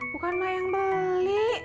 bukan emak yang beli